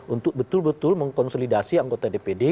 untuk betul betul mengkonsolidasi anggota dpd